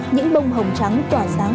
những bông hồng trắng tỏa sáng